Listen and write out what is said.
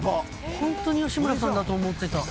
本当に吉村さんだと思ってた。